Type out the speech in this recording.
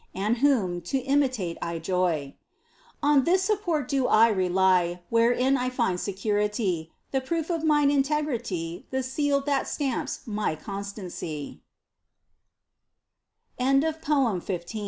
And Whom to imitate I joy ! On this support do I rely. Wherein I find security. The proof of mine integrity, The seal that stamps my constan